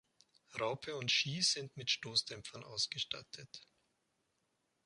Raupe und Ski sind mit Stoßdämpfern ausgestattet.